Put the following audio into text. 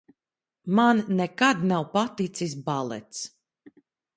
Man nekad nav paticis balets!